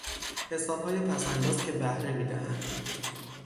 حسابهای پسانداز که بهره میدهند